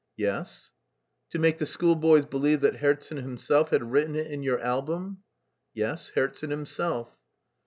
"Yes." "To make the schoolboys believe that Herzen himself had written it in your album?" "Yes, Herzen himself."